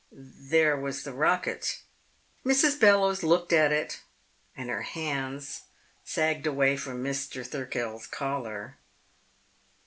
There was the rocket. Mrs. Bellowes looked at it and her hands sagged away from Mr. Thirkell's collar.